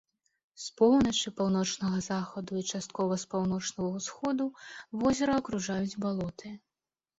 З поўначы, паўночнага захаду і часткова з паўночнага ўсходу возера акружаюць балоты.